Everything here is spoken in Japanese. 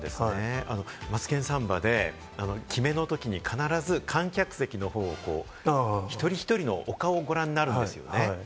『マツケンサンバ』でキメのときに必ず観客席の方を、一人一人のお顔をご覧になるんですね。